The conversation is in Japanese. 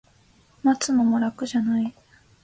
待つのも楽じゃない